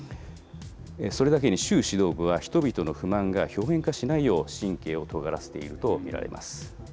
それだけに習指導部は人々の不満が表面化しないよう、神経をとがらせていると見られます。